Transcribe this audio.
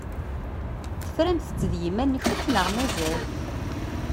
Teframt-tt d yiman-nkent neɣ mazal?